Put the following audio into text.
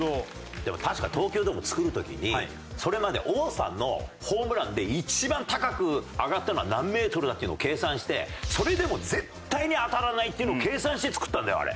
でも確か東京ドーム造る時にそれまで王さんのホームランで一番高く上がったのは何メートルだっていうのを計算してそれでも絶対に当たらないっていうのを計算して造ったんだよあれ。